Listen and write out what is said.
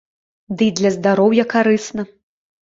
Дый для здароўя карысна.